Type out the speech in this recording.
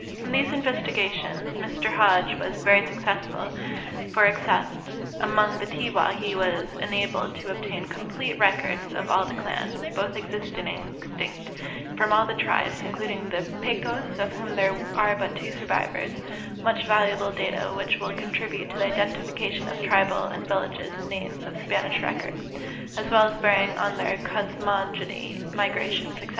In these investigations Mr Hodge was very successful, for except among the Tiwa he was enalded to obtain complete records of all the clans, both existing and ex tinct, and from all the tribes (including the Pecos, of whom there are but two survivors) much valuable data which will contribute to the identification of tribal and village names of Spanish record, as well as bearing on their cosmogony, migrations, etc.